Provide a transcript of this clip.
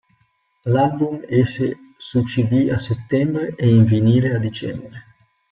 L'album esce su cd a settembre e in vinile a dicembre.